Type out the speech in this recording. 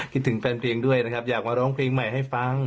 คิดถึงแฟนเพลงด้วยอยากมาร้องเพลงใหม่ให้ฟัง